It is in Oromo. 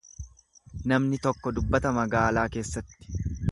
Namni tokko dubbata magaalaa keessatti.